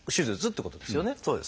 そうですね。